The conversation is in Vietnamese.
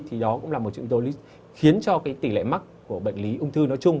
thì đó cũng là một yếu tố khiến cho tỷ lệ mắc của bệnh lý ung thư nói chung